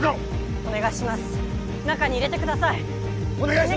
お願いします！